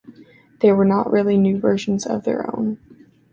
They were not really new visions of their own.